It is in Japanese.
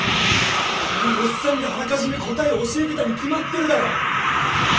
あのおっさんがあらかじめ答えを教えてたに決まってるだろ！